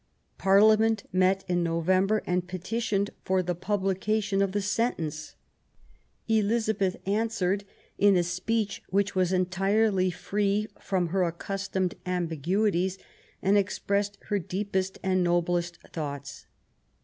Parliament met in November, and petitioned for the publication of the sentence. Elizabeth answered in a speech which was entirely free from her accus tomed ambiguities, and expressed her deepest and noblest thoughts.